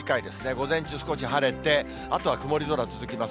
午前中、少し晴れて、あとは曇り空続きます。